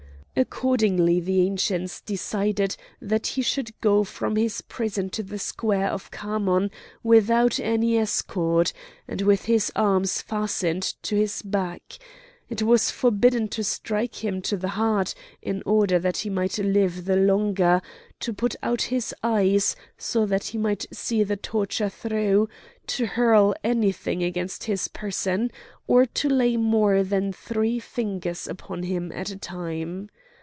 Accordingly the Ancients decided that he should go from his prison to the square of Khamon without any escort, and with his arms fastened to his back; it was forbidden to strike him to the heart, in order that he might live the longer; to put out his eyes, so that he might see the torture through; to hurl anything against his person, or to lay more than three fingers upon him at a time.